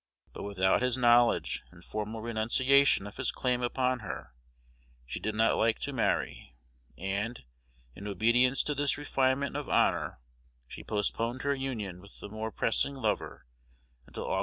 But without his knowledge and formal renunciation of his claim upon her, she did not like to marry; and, in obedience to this refinement of honor, she postponed her union with the more pressing lover until Aug.